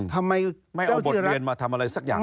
ทำไมเจ้าที่รัฐไม่เอาบทเรียนมาทำอะไรสักอย่าง